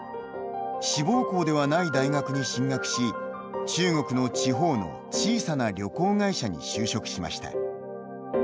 志望校ではない大学に進学し中国の地方の小さな旅行会社に就職しました。